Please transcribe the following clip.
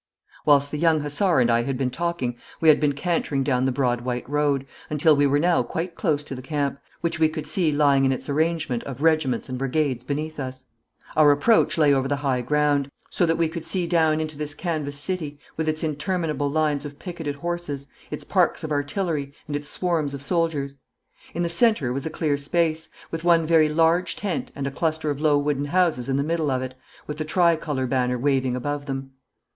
Whilst the young hussar and I had been talking we had been cantering down the broad white road, until we were now quite close to the camp, which we could see lying in its arrangement of regiments and brigades beneath us. Our approach lay over the high ground, so that we could see down into this canvas city, with its interminable lines of picketed horses, its parks of artillery, and its swarms of soldiers. In the centre was a clear space, with one very large tent and a cluster of low wooden houses in the middle of it, with the tricolour banner waving above them.